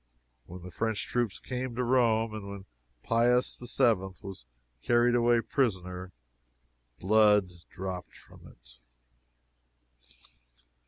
When the French troops came to Rome, and when Pius VII. was carried away prisoner, blood dropped from it."